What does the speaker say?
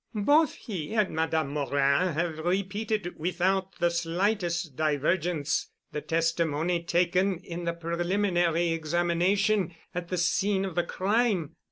Both he and Madame Morin have repeated without the slightest divergence the testimony taken in the preliminary examination at the scene of the crime.